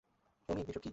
মেই-মেই, এসব কী?